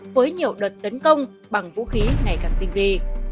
với nhiều đợt tấn công bằng vũ khí ngày càng tinh vi